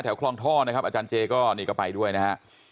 คลองท่อนะครับอาจารย์เจก็นี่ก็ไปด้วยนะฮะ